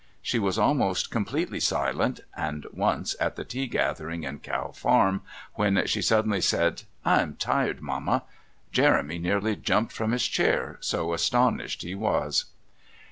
She was almost completely silent, and once, at the tea gathering in Cow Farm, when she suddenly said: "I'm tired, Mama," Jeremy nearly jumped from his chair, so astonished he was.